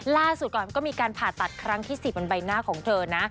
ล่าสุดก่อนก็มีการผ่าตัดครั้งที่๑๐บนใบหน้าของเธอนะ